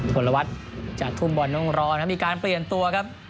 ผลวัตรจะทุ่มบอลร้อนครับมีการเปลี่ยนตัวครับ